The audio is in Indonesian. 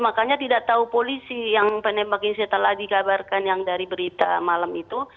makanya tidak tahu polisi yang penembak insiden telah digabarkan yang dari berita malam itu